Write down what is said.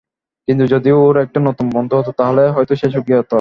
কিন্তু যদি ওরও একটা নতুন বন্ধু হতো তাহলে হয়তো সে সুখী হতো।